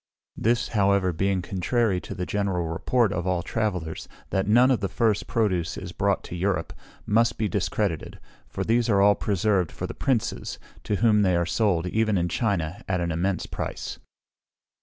This, however, being contrary to the general report of all travellers, that none of the first produce is brought to Europe, must be discredited; for these are all preserved for the Princes, to whom they are sold, even in China, at an immense price.